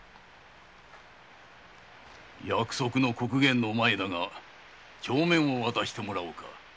約束の刻限の前だが帳面を渡してもらおう。